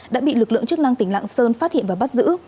đã bị lực lượng chức năng tỉnh lạng sơn phát hiện và bắt giữ